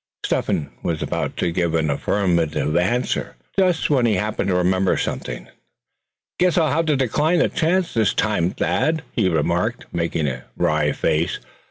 Step hen was about to give an affirmative answer, when he just happened to remember something. "Guess I'll have to decline the chance this time, Thad," he remarked, making a wry face.